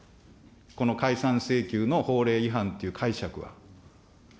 この解散請求の法令違反っていう解釈は。